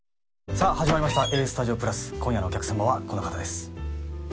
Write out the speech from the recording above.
さあ始まりました「ＡＳＴＵＤＩＯ＋」今夜のお客様はこの方です